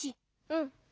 うん。